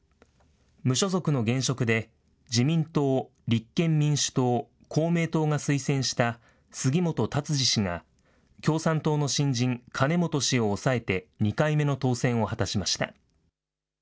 無所属の現職で、自民党、立憲民主党、公明党が推薦した杉本達治氏が、共産党の新人、金元氏を抑えて２回目の当選を果たしました。